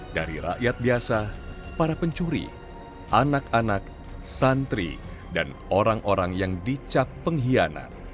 dari rakyat biasa para pencuri anak anak santri dan orang orang yang dicap pengkhianat